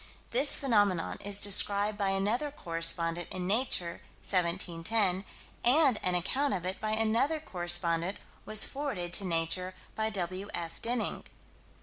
This phenomenon is described by another correspondent, in Nature, 17 10, and an account of it by another correspondent was forwarded to Nature by W.F. Denning.